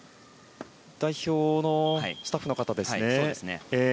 代表のスタッフの方ですね。